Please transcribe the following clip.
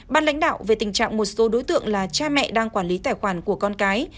ban lãnh đạo về tình trạng một số đối tượng là cha mẹ đang quản lý tài khoản của con cái